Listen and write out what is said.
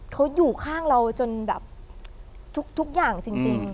เขาอยู่ข้างเราจนแบบทุกอย่างจริง